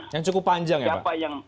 yang cukup panjang ya pak